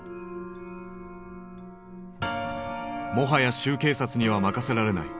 もはや州警察には任せられない。